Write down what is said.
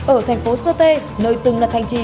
ở thành phố sơ tê nơi từng là thành trì